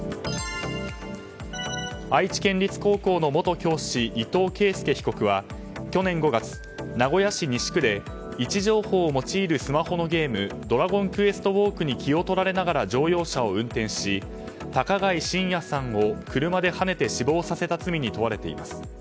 愛知県立高校の元教師伊藤啓介被告は去年５月、名古屋市西区で位置情報を用いるスマホのゲーム「ドラゴンクエストウォーク」に気を取られながら乗用車を運転し、高貝真也さんを車ではねて死亡させた罪に問われています。